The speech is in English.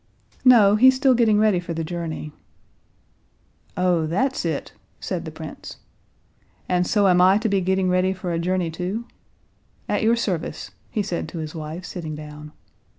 "No, he's still getting ready for the journey." "Oh, that's it!" said the prince. "And so am I to be getting ready for a journey too? At your service," he said to his wife, sitting down.